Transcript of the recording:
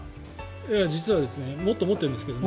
実はもっと持ってるんですけど。